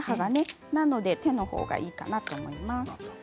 なので手の方がいいと思います。